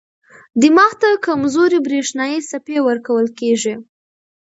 دماغ ته کمزورې برېښنايي څپې ورکول کېږي.